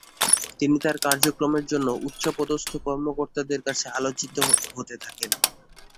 তিনি তার কার্যক্রম এর জন্য উচ্চ পদস্থ কর্মকর্তাদের কাছে আলোচিত হতে থাকেন।